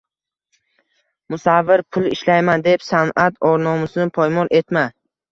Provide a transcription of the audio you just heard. Musavvir, pul ishlayman deb san’at or-nomusini paymol etma